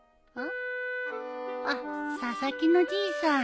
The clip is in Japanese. あっ佐々木のじいさん。